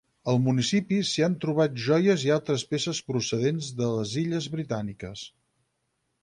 Al municipi s'hi han trobat joies i altres peces procedents de les Illes Britàniques.